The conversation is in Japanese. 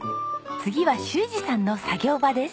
次は修二さんの作業場です。